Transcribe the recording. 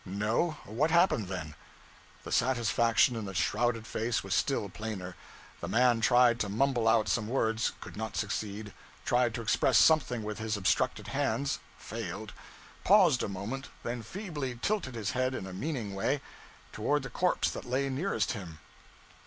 'No? What happened, then?' The satisfaction in the shrouded face was still plainer. The man tried to mumble out some words could not succeed; tried to express something with his obstructed hands failed; paused a moment, then feebly tilted his head, in a meaning way, toward the corpse that lay nearest him.